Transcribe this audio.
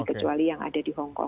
kecuali yang ada di hongkong